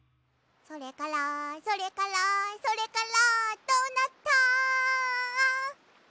「それからそれからそれから」